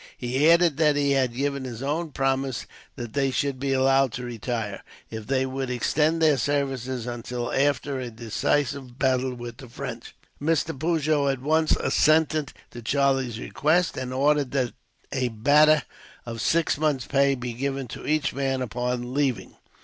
He added that he had given his own promise that they should be allowed to retire, if they would extend their service until after a decisive battle with the French. Mr. Pigot at once assented to Charlie's request, and ordered that a batta of six months' pay should be given to each man, upon leaving.